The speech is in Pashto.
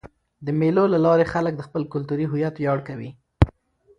د مېلو له لاري خلک د خپل کلتوري هویت ویاړ کوي.